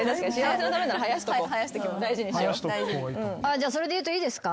じゃあそれでいうといいですか？